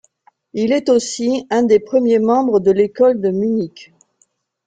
Il est aussi un des premiers membres de l'École de Munich.